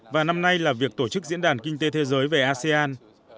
và năm nay là việc tổ chức diễn đàn kinh tế thế giới về asean